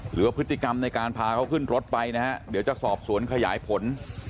หรือว่าพฤติกรรมในการพาเขาขึ้นรถไปนะฮะเดี๋ยวจะสอบสวนขยายผล